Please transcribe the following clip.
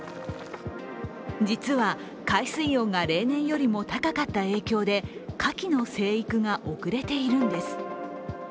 実は、海水温が例年よりも高かった影響でかきの生育が遅れているんです。